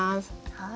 はい。